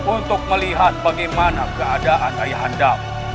untuk melihat bagaimana keadaan ayah handam